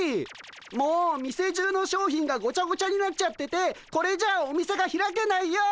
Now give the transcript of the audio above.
もう店中の商品がごちゃごちゃになっちゃっててこれじゃお店が開けないよ。